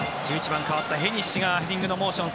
１１番、代わったヘニシがヘディングのモーション。